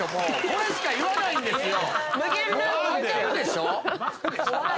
これしか言わないんすよ。